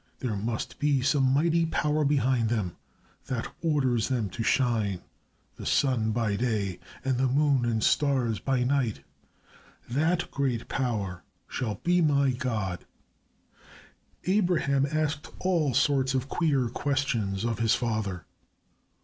There must be some mighty power behind them that orders them to shine, the sun by day and the moon and stars by night. That great power shall be my God." Abraham asked all sorts of queer questions of his father.